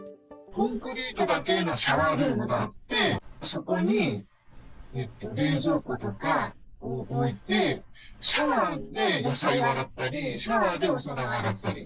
コンクリートだけのシャワールームがあって、そこに冷蔵庫とかを置いて、シャワーで野菜を洗ったり、シャワーでお皿を洗ったり。